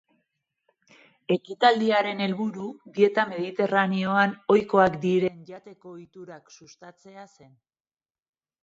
Ekitaldiaren helburu, dieta mediterraneoan oikoak diren jateko ohiturak sustatzea zen.